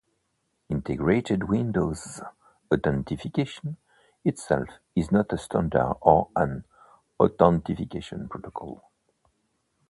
Integrated Windows Authentication itself is not a standard or an authentication protocol.